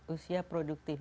iya usia produktif